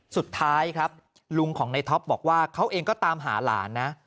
สุดท้ายครับลุงของในท็อปบอกว่าเขาเองก็ตามหาหลานนะ